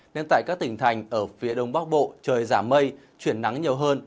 nên tại các tỉnh thành ở phía đông bắc bộ trời giảm mây chuyển nắng nhiều hơn